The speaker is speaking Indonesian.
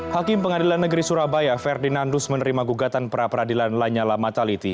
hakim pengadilan negeri surabaya ferdinandus menerima gugatan pra peradilan lanyala mataliti